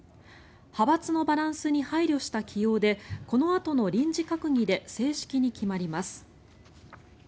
派閥のバランスに配慮した起用でこのあとの臨時閣議で正式に決まります。